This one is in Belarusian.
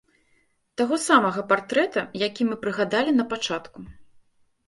Таго самага партрэта, які мы прыгадалі напачатку.